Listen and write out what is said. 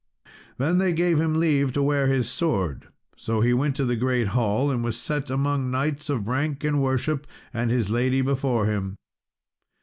Then they gave him leave to wear his sword. So he went to the great hall, and was set among knights of rank and worship, and his lady before him.